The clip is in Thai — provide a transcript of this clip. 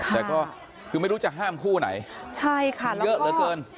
แต่ก็คือไม่รู้จะห้ามคู่ไหนใช่ค่ะเยอะเหลือเกิน